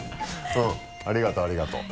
うんありがとうありがとう。